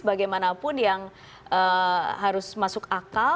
bagaimanapun yang harus masuk akal